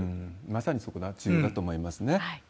まさにそこが重要だと思いますね。